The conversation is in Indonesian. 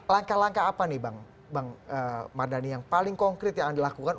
langkah langkah apa nih bang mardhani yang paling konkret yang dilakukan